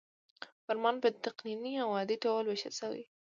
فرمان په تقنیني او عادي ډول ویشل شوی.